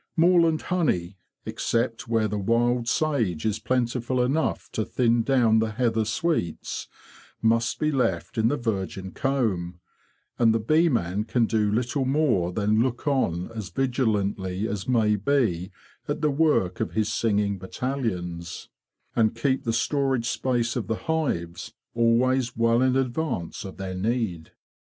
Moorland honey— except where the wild sage is plentiful enough to thin down the heather sweets—must be left in the virgin comb; and the bee man can do little more than look on as vigilantly as may be at the work of his singing battalions, and keep the storage space of the hives always well in advance of their need.